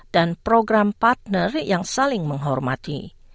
dan program partner yang saling menghormati